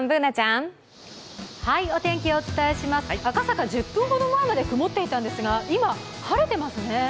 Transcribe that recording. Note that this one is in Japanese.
お伝えします、赤坂、１０分ほど前まで曇っていたんですが、今、晴れていますね。